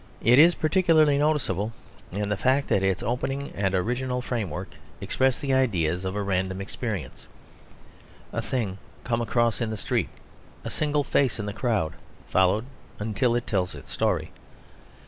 It is particularly noticeable in the fact that its opening and original framework express the idea of a random experience, a thing come across in the street; a single face in the crowd, followed until it tells its story.